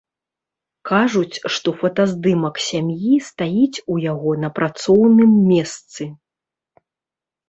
Кажуць, што фотаздымак сям'і стаіць у яго на працоўным месцы.